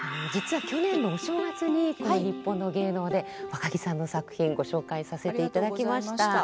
実は去年のお正月にこの「にっぽんの芸能」でわかぎさんの作品ご紹介させていただきました。